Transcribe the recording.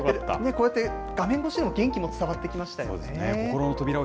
こうやって画面越しでも元気も伝わってきましたよね。